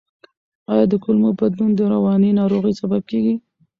آیا د کولمو بدلون د رواني ناروغیو سبب کیږي؟